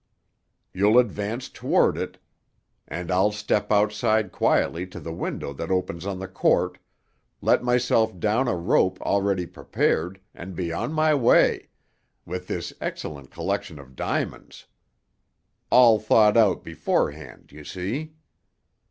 You'll advance toward it, and I'll step outside quietly to the window that opens on the court, let myself down a rope already prepared, and be on my way—with this excellent collection of diamonds. All thought out beforehand, you see!